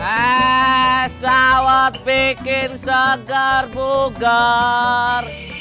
es dawet bikin segar bugar